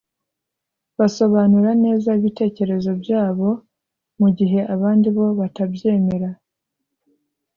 basobanura neza ibitekerezo byabo, mu gihe abandi bo batabyemera